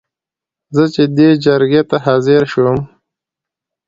زه چې دې جرګې ته حاضر شوم.